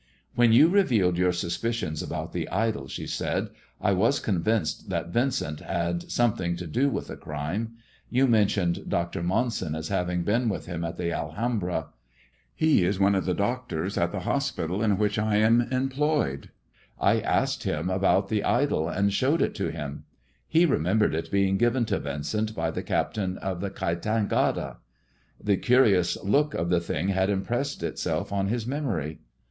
" When you revealed your suspicions about the idol," i said, " I was convinced that Vincent had something to with tho crime. You mentioned Dr. Monson as havM been with him at the Allmmbra. He is one of the docto ' It is true !' said T, pinning huo down." *.•■« fte The greek stoNe god and Me stockbroker 279 at the hospital in which I am employed. I asked him about the idol, and showed it to him. He remembered it being given to Yincent by the captain of the Kaitangata. The curious look of the thing had impressed itself on his memory.